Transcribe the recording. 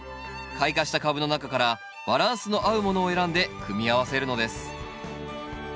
開花した株の中からバランスの合うものを選んで組み合わせるのです。